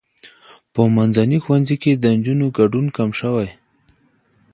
په منځني ښوونځي کې د نجونو ګډون کم شوی.